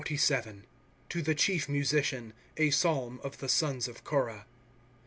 To the Chief Musician. A Psalm of tiic Sons of Korah.